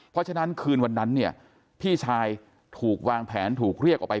เพราะฉะนั้นคืนวันนั้นเนี่ยพี่ชายถูกวางแผนถูกเรียกออกไป